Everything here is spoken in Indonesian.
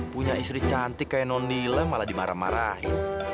punya istri cantik kayak nonila malah dimarah marahin